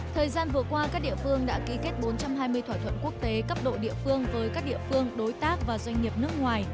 thời gian vừa qua các địa phương đã ký kết bốn trăm hai mươi thỏa thuận quốc tế cấp độ địa phương với các địa phương đối tác và doanh nghiệp nước ngoài